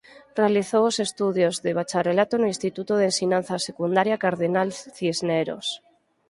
Realizou os estudios de bacharelato no Instituto de Ensinanza Secundaria Cardenal Cisneros.